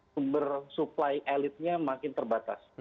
sumber supply elitnya makin terbatas